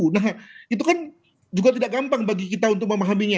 nah itu kan juga tidak gampang bagi kita untuk memahaminya